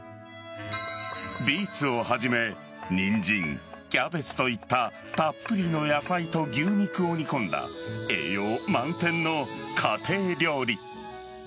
ビーツをはじめニンジン、キャベツといったたっぷりの野菜と牛肉を煮込んだ栄養満点の家庭料理。